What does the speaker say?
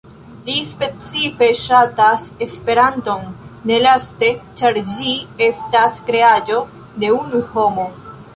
Li "specife ŝatas Esperanton", ne laste, ĉar ĝi estas kreaĵo de unu homo.